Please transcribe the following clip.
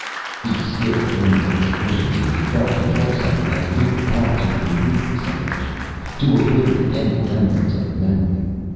The skilled android technicians in the thought control center had labored hard to complete this amnesia, to obliterate any remnants of memory.